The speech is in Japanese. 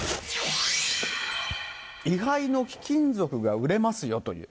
遺灰の貴金属が売れますよという。